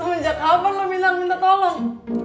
semenjak abang lo bilang minta tolong